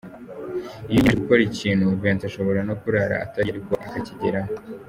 Iyo yiyemeje gukora ikintu, Vincent ashobora no kurara atariye ariko akakigeraho.